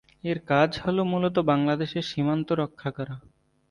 এর কাজ হল মূলত বাংলাদেশের সীমান্ত রক্ষা করা।